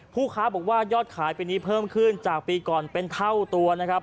ค้าบอกว่ายอดขายปีนี้เพิ่มขึ้นจากปีก่อนเป็นเท่าตัวนะครับ